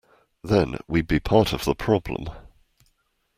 Then we’d be part of the problem.